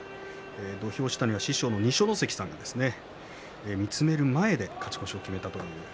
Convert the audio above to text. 土俵下には師匠の二所ノ関さんが見つめる中での勝ち越しです。